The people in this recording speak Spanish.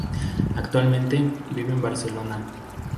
Actualmente, vive en Barcelona.